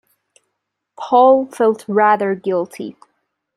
Paul felt rather guilty.